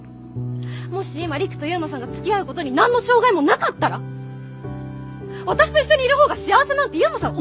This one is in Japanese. もし今陸と悠磨さんがつきあうことに何の障害もなかったら私と一緒にいる方が幸せなんて悠磨さん思いますかね？